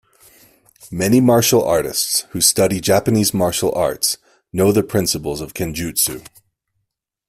Many martial artists who study Japanese martial arts know the principles of kenjutsu.